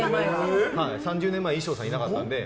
３０年前は衣装さんいなかったので。